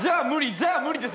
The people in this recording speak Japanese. じゃあ無理です！